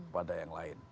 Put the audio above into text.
pada yang lain